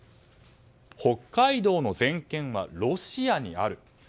北海道の全権はロシアにある。